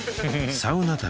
サウナ旅